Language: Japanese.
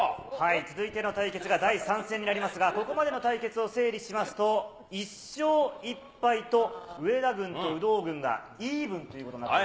続いての対決が第３戦になりますが、ここまでの対決を整理しますと、１勝１敗と、上田軍と有働軍がイーブンということになってます。